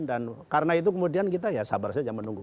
dan karena itu kemudian kita ya sabar saja menunggu